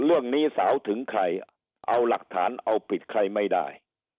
เรื่องนี้สาวถึงใครเอาหลักฐานเอาผิดใครไม่ได้